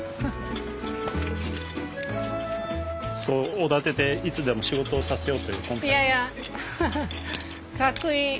そうおだてていつでも仕事をさせようという魂胆。